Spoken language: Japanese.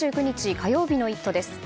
火曜日の「イット！」です。